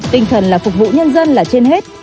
tinh thần là phục vụ nhân dân là trên hết